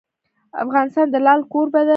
افغانستان د لعل کوربه دی.